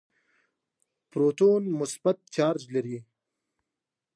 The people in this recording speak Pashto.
پروتون مثبت چارج لري.